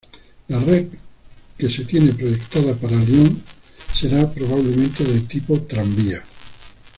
La red que se tiene proyectada para Lyon será probablemente del tipo tranvía.